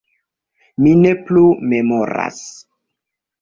Mi ne plu memoras.